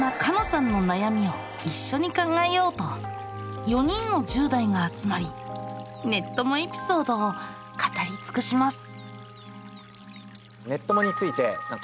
さんの悩みを一緒に考えようと４人の１０代が集まりネッ友エピソードを語りつくします！